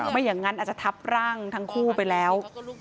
ไม่อย่างนั้นอาจจะทับร่างทั้งคู่ไปแล้ว